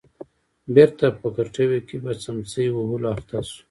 بېرته په کټوې کې په څمڅۍ وهلو اخته شو.